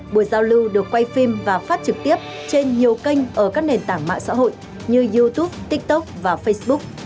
buổi giao lưu được quay phim và phát trực tiếp trên nhiều kênh ở các nền tảng mạng xã hội như youtube tiktok và facebook